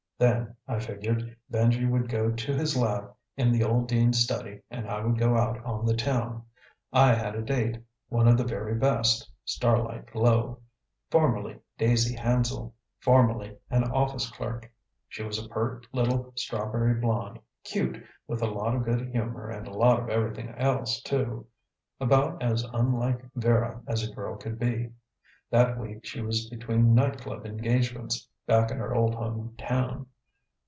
Then, I figured, Benji would go to his lab in the old dean's study and I would go out on the town. I had a date, one of the very best, Starlight Glowe, formerly Daisy Hanzel, formerly an office clerk. She was a pert little strawberry blonde, cute, with a lot of good humor and a lot of everything else too; about as unlike Vera as a girl could be. That week she was between nightclub engagements, back in her old home town.